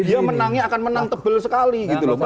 dia menangnya akan menang tebal sekali